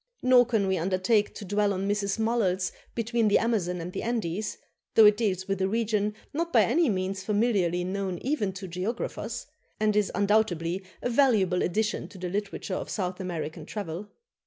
Nor can we undertake to dwell on Mrs. Mulhall's "Between the Amazon and the Andes," though it deals with a region not by any means familiarly known even to geographers, and is undoubtedly a valuable addition to the literature of South American travel.